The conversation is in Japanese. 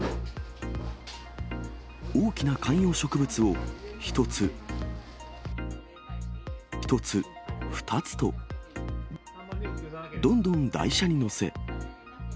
大きな観葉植物を１つ、２つと、どんどん台車に載せ。